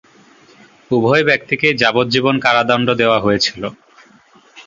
উভয় ব্যক্তিকেই যাবজ্জীবন কারাদণ্ড দেওয়া হয়েছিল।